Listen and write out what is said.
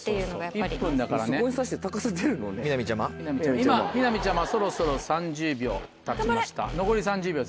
今美波ちゃまそろそろ３０秒たちました。